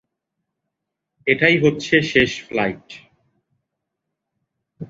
এটাই হচ্ছে শেষ ফ্লাইট।